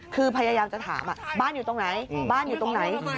คือพยายามจะถามบ้านอยู่ตรงไหนบ้านอยู่ตรงไหน